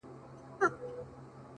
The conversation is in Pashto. o یوه ورځ به دي چیچي ـ پر سپینو لېچو ـ